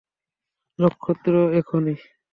নক্ষত্র, এখনি।